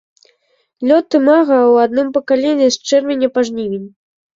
Лёт імага ў адным пакаленні з чэрвеня па жнівень.